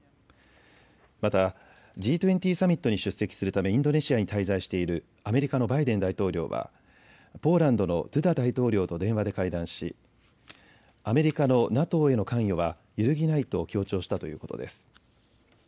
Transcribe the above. またＧ２０サミットに出席するためインドネシアに滞在しているアメリカのバイデン大統領はポーランドのドゥダ大統領と電話で会談しアメリカのＮＡＴＯへの関与は揺るぎないと強調したということです。